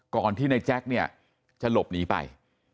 ก่อนที่ในแจ๊คเนี่ยจะหลบหนีไป